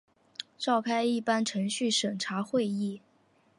召开一般程序审查会议